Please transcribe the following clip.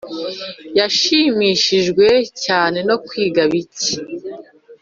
yashimishijwe cyane no kwiga bike